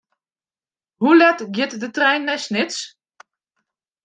Hoe let giet de trein nei Snits?